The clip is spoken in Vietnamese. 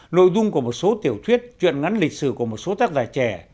nội dung của một số tiểu thuyết chuyện ngắn lịch sử của một số tác giả trẻ